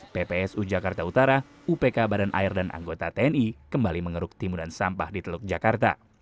ppsu jakarta utara upk badan air dan anggota tni kembali mengeruk timunan sampah di teluk jakarta